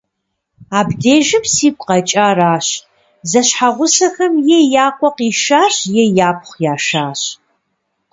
Абдежым сигу къэкӀаращ: зэщхьэгъусэхэм е я къуэ къишащ, е япхъу яшащ.